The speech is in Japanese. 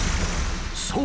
そう。